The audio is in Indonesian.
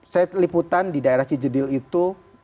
saya liputan di daerah cijedil itu